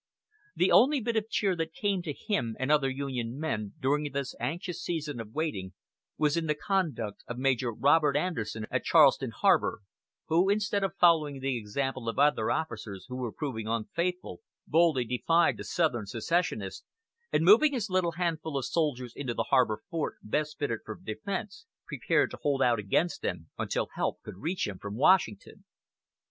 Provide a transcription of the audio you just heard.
The only bit of cheer that came to him and other Union men during this anxious season of waiting, was in the conduct of Major Robert Anderson at Charleston Harbor, who, instead of following the example of other officers who were proving unfaithful, boldly defied the Southern "secessionists," and moving his little handful of soldiers into the harbor fort best fitted for defense, prepared to hold out against them until help could reach him from Washington.